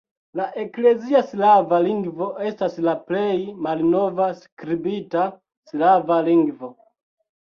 La eklezia slava lingvo estas la plej malnova skribita slava lingvo.